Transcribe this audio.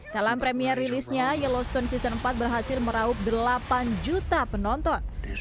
dalam premiere rilisnya yellowstone season empat berhasil meraup delapan jenis drama